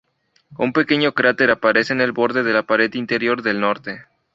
Un pequeño cráter aparece en el borde de la pared interior del norte.